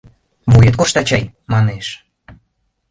— Вует коршта чай? — манеш.